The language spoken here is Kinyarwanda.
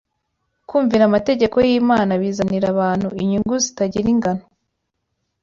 Kumvira amategeko y’Imana bizanira abantu inyungu zitagira ingano